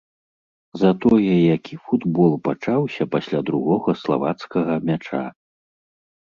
Затое які футбол пачаўся пасля другога славацкага мяча!